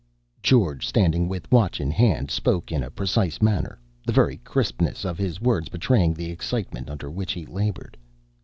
George, standing with watch in hand, spoke in a precise manner, the very crispness of his words betraying the excitement under which he labored.